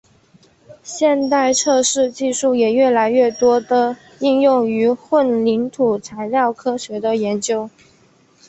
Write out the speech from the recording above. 现代测试技术也越来越多地应用于混凝土材料科学的研究。